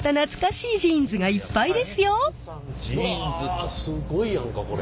うわすごいやんかこれ。